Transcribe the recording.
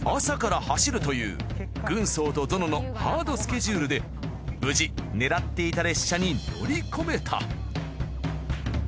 朝から走るという軍曹とゾノのハードスケジュールで無事狙っていた列車に乗りこめた。